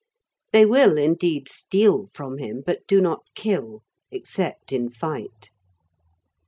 They will, indeed, steal from him, but do not kill, except in fight.